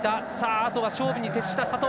あとは勝負に徹した佐藤。